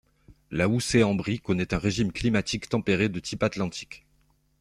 La Houssaye-en-Brie connaît un régime climatique tempéré de type atlantique.